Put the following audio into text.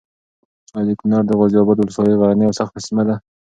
ایا د کونړ د غازي اباد ولسوالي غرنۍ او سخته سیمه ده؟